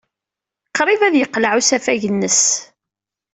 Qrib ad yeqleɛ usafag-nnes.